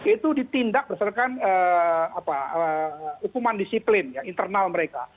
itu ditindak berdasarkan hukuman disiplin internal mereka